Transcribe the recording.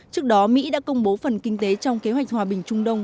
trước đó mỹ đã công bố phần kinh tế trong kế hoạch hòa bình trung đông